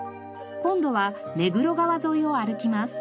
今度は目黒川沿いを歩きます。